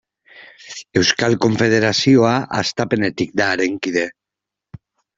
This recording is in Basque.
Euskal Konfederazioa hastapenetik da haren kide.